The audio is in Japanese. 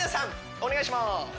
お願いします